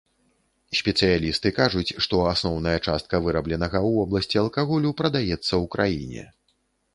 Спецыялісты кажуць, што асноўная частка вырабленага ў вобласці алкаголю прадаецца ў краіне.